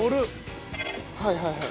はいはいはい。